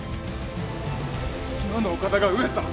今のお方が上様とは！